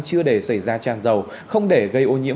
chưa để xảy ra tràn dầu không để gây ô nhiễm